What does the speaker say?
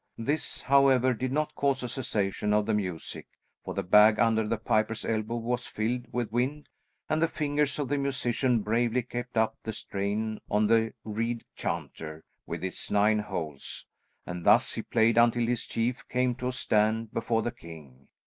This, however, did not cause a cessation of the music, for the bag under the piper's elbow was filled with wind and the fingers of the musician bravely kept up the strain on the reed chanter with its nine holes, and thus he played until his chief came to a stand before the king.